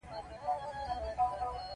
د مځکې ځینې ساحې غیر قابلې اوسېدنې دي.